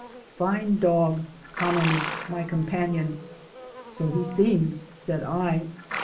"Fine dog!" commented my companion. "So he seems," said I.